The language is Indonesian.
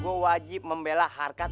eh gue wajib membelah harkasa ini